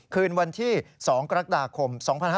คืนวันที่๒กรกฎาคม๒๕๖๒